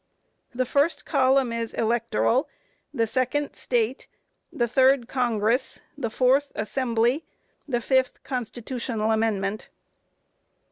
A. The first column is Electoral; the second, State; the third, Congress; the fourth, Assembly; the fifth, Constitutional Amendment.